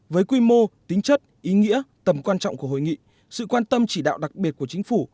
với quy mô tính chất ý nghĩa tầm quan trọng của hội nghị sự quan tâm chỉ đạo đặc biệt của chính phủ